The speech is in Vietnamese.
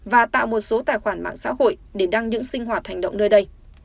và tạo một số tài khoản mạng xã hội để đăng những sinh hoạt hành động nơi đây